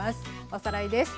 おさらいです。